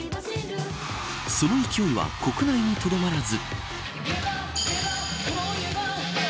その勢いは国内にとどまらず。